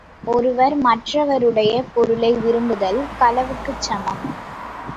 ஒருவர் மற்றவருடைய பொருளை விரும்புதல் களவுக்குச் சமம்!